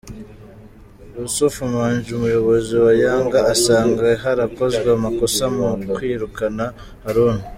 Yussuf Manji umuyobozi wa Yanga asanga harakozwe amakosa mu kwirukana Haruna.